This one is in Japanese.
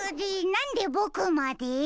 なんでボクまで？